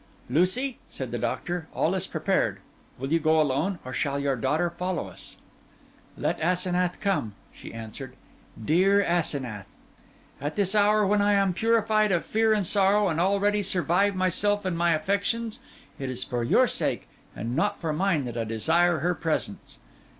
'Lucy,' said the doctor, 'all is prepared. Will you go alone, or shall your daughter follow us?' 'Let Asenath come,' she answered, 'dear Asenath! At this hour, when I am purified of fear and sorrow, and already survive myself and my affections, it is for your sake, and not for mine, that I desire her presence.